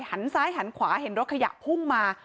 หันซ้ายหันขวาเห็นรถขยะพุ่งมา